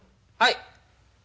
はい。